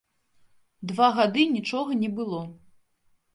Два гады нічога не было.